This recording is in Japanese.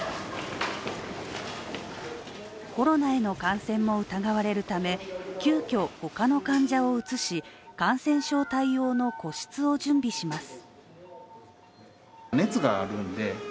コロナへの感染も疑われるため急きょ他の患者を移し感染症対応の個室を準備します。